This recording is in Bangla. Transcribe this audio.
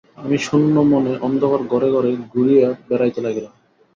আমি শূন্য মনে অন্ধকার ঘরে ঘরে ঘুরিয়া বেড়াইতে লাগিলাম।